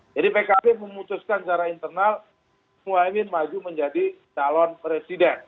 jadi pkb memutuskan secara internal gus muhamad maju menjadi calon presiden